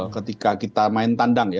ketika kita main tandang